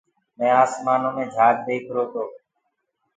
مينٚ آشمآنو مي جھآج ديکرو تو۔